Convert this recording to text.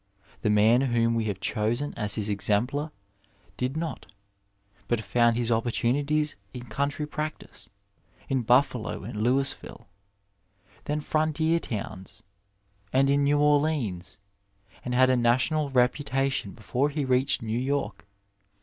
The man whom we have chosen as his exemplar did not, but found his opportunities in country practice, in BufEalo and Louisville, then frontier towns, and in New Orleans, and had a national reputation before he reached New York.